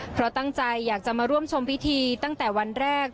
เพราะตั้งใจอยากจะมาร่วมชมพิธีตั้งแต่วันแรก